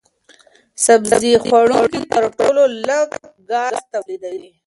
سبزي خوړونکي تر ټولو لږ ګاز تولیدوي.